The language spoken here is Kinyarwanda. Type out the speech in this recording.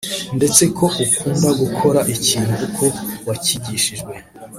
ndetse ko ukunda gukora ikintu uko wacyigishijwe